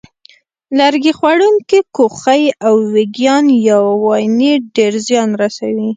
لرګي خوړونکي کوخۍ او وېږیان یا واینې ډېر زیان رسوي.